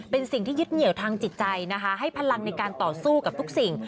เป็นสิ่งที่ยึดเหนียวทางจิตใจนะคะให้พลังในการต่อสู้กับทุกสิ่ง